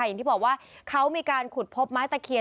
อย่างที่บอกว่าเขามีการขุดพบไม้ตะเคียน